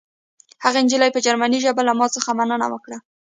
هغې نجلۍ په جرمني ژبه له ما څخه مننه وکړه